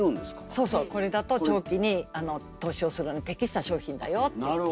そうそうこれだと長期に投資をするのに適した商品だよっていって。